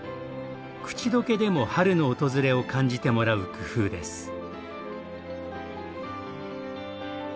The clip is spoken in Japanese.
口溶けでも春の訪れを感じてもらう工夫です。